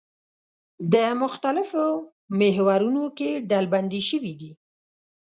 د مختلفو محورونو کې ډلبندي شوي دي.